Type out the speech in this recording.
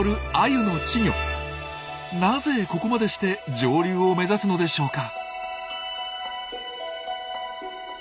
なぜここまでして上流を目指すのでしょうか？